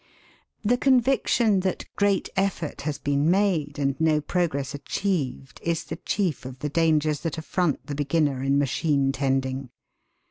The conviction that great effort has been made and no progress achieved is the chief of the dangers that affront the beginner in machine tending.